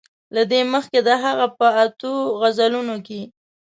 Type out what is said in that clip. له دې مخکې د هغه په اتو غزلونو کې.